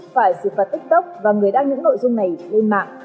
phải xử phạt tiktok và người đăng những nội dung này lên mạng